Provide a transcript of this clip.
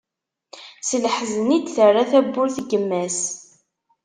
S leḥzen i d-terra tawwurt n yemma-s.